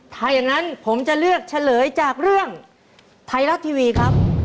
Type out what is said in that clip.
ถ้าอย่างนั้นผมจะเลือกเฉลยจากเรื่องไทยรัฐทีวีครับ